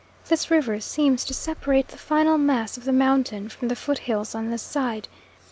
This river seems to separate the final mass of the mountain from the foot hills on this side.